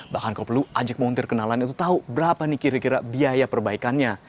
bahkan kalau perlu ajak menguntir kenalan itu tahu berapa nih kira kira biaya perbaikannya